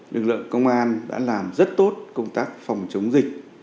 lực lượng công an đã làm rất tốt công tác phòng chống dịch